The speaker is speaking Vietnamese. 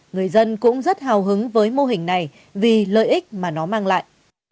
người dân cũng rất hào hứng với mô hình này vì lợi ích mà nó mang lại